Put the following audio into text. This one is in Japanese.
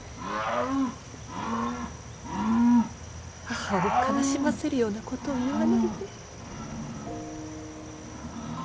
母を悲しませるようなことを言わないで。